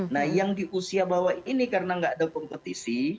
nah yang di usia bawah ini karena nggak ada kompetisi